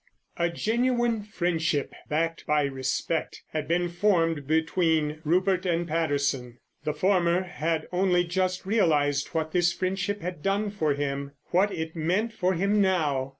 A genuine friendship, backed by respect, had been formed between Rupert and Patterson. The former had only just realised what this friendship had done for him. What it meant for him now!